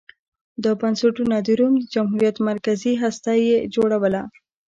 دا بنسټونه د روم جمهوریت مرکزي هسته یې جوړوله